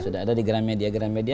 sudah ada di gramedia gramedia